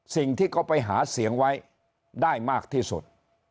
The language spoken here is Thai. สิ่งที่เขาไปหาเสียงไว้ได้มากที่สุด